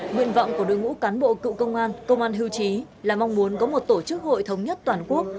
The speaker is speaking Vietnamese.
nguyện vọng của đội ngũ cán bộ cựu công an công an hưu trí là mong muốn có một tổ chức hội thống nhất toàn quốc